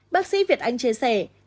bác sĩ việt anh chia sẻ